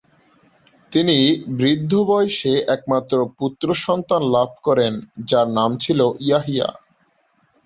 তিনি বৃদ্ধ বয়সে একমাত্র পুত্র সন্তান লাভ করেন যার নাম ছিল ইয়াহইয়া।